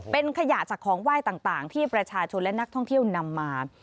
เป็นขยะจากของไหว้ต่างที่ประชาชนและนักท่องเที่ยวนำมา